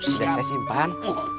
sudah saya simpan